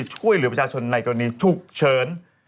ช่วยเหลือประชาชนในกรณีฉุกเฉิน